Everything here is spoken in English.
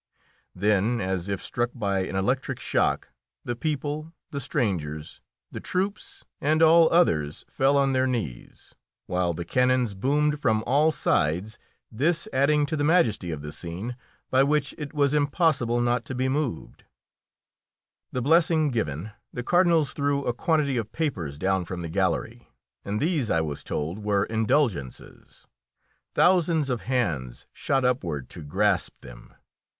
Then, as if struck by an electric shock, the people, the strangers, the troops, and all others fell on their knees, while the cannons boomed from all sides, this adding to the majesty of the scene, by which it was impossible not to be moved. [Illustration: THE BARONESS DE CRUSSOL.] The blessing given, the Cardinals threw a quantity of papers down from the gallery, and these, I was told, were indulgences. Thousands of hands shot upward to grasp them.